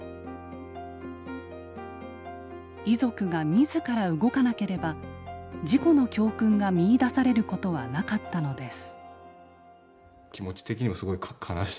遺族が自ら動かなければ事故の教訓が見いだされることはなかったのです。